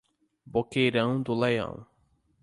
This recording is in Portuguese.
Boqueirão do Leão